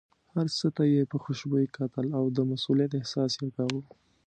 هر څه ته یې په خوشبینۍ کتل او د مسوولیت احساس یې کاوه.